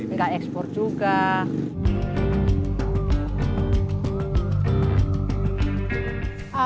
nggak ekspor juga